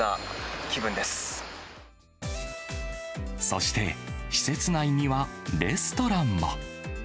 そして、施設内にはレストランも。